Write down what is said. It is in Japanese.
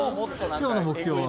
今日の目標は？